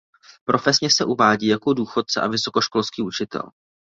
Profesně se uvádí jako důchodce a vysokoškolský učitel.